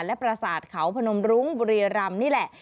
และประสาทเขาพนมรุ้งบุรีรำนี่แหละ